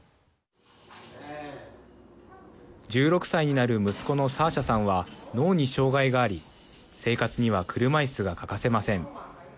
１６歳になる息子のサーシャさんは脳に障害があり生活には車いすが欠かせません。